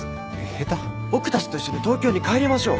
僕たちと一緒に東京に帰りましょう。